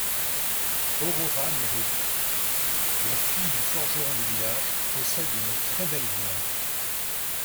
Aurora Meredith, la fille du forgeron du village, possède une très belle voix.